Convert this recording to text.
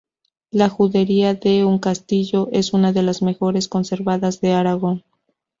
La judería de Uncastillo es una de las mejor conservadas de Aragón.